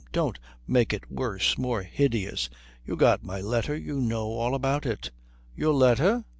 Don't make it worse, more hideous you got my letter you know all about it " "Your letter?"